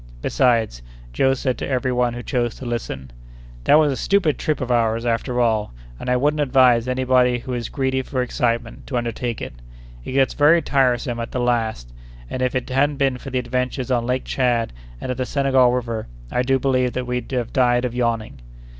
Besides, Joe said to every one who chose to listen: "That was a stupid trip of ours, after all, and I wouldn't advise any body who is greedy for excitement to undertake it. It gets very tiresome at the last, and if it hadn't been for the adventures on Lake Tchad and at the Senegal River, I do believe that we'd have died of yawning."